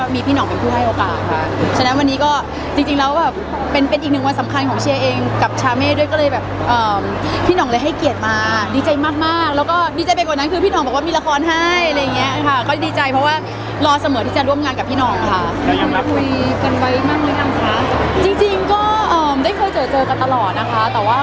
มีพี่น้องเป็นผู้ให้โอกาสรบราคาก็มีดิจัยมากดีใจว่าพี่น้องบอกว่ามีละครให้ก็ดีใจว่ารอเสมอที่จะร่วมงานกับพี่น้องนะคะคุยกันไว้มากมั้ยยังคะก็ได้เคยเจอกันตลอดนะคะ